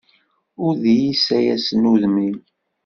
Ur d iyi-ssayasen udem-im.